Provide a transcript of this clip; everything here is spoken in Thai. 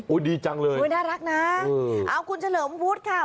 ดีจังเลยโอ้ยน่ารักนะเอาคุณเฉลิมวุฒิค่ะ